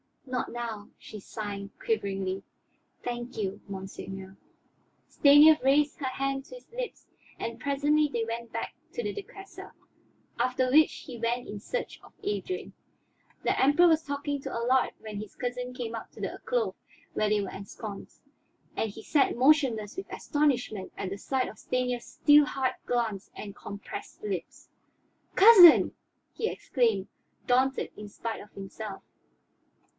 "Not now," she sighed quiveringly. "Thank you, monseigneur." Stanief raised her hand to his lips, and presently they went back to the Duquesa. After which he went in search of Adrian. The Emperor was talking to Allard when his cousin came up to the alcove where they were ensconced, and he sat motionless with astonishment at sight of Stanief's steel hard glance and compressed lips. "Cousin?" he exclaimed, daunted in spite of himself.